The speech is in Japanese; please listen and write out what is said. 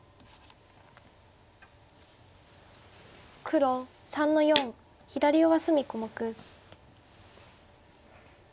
黒３の四左上隅小目。